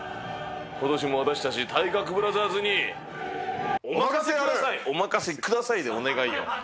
ことしも私たち、体格ブラザお任せくださいでお願いよ。